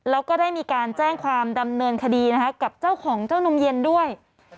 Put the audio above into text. แล้วก็ได้มีการแจ้งความดำเนินคดีนะคะกับเจ้าของเจ้านมเย็นด้วย